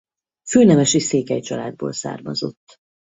Főnemesi székely családból származott.